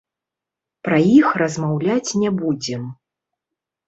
Пра іх размаўляць не будзем.